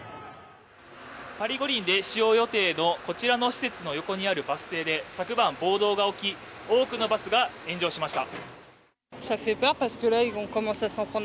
パリ五輪で使用予定のこちらの施設の横にあるバス停で、昨晩、暴動が起き、多くのバスが炎上しました。